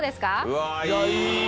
うわいいよ！